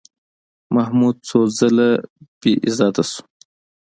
محمود څو ځله بېعزتي شو.